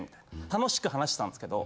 楽しく話してたんですけど